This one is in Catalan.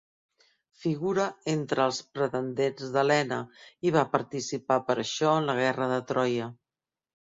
Figura entre els pretendents d'Helena, i va participar per això en la guerra de Troia.